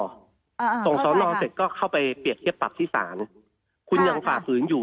อ่าส่งสอนอเสร็จก็เข้าไปเปรียบเทียบปรับที่ศาลคุณยังฝ่าฝืนอยู่